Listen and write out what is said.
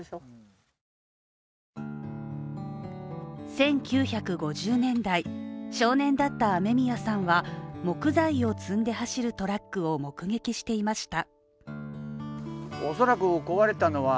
１９５０年代、少年だった雨宮さんは木材を積んで走るトラックを目撃していました。